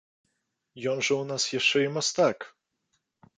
Ён жа ў нас яшчэ і мастак!